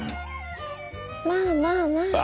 まあまあまあ。